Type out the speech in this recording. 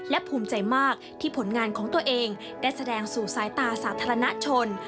และภูมิใจมากที่ผลงานของตัวเองได้แสดงสู่สายตาสาธารณชน